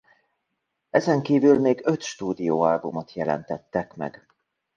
Ezen kívül még öt stúdióalbumot jelentettek meg.